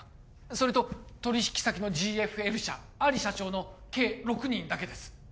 それと取引先のＧＦＬ社アリ社長の計６人だけです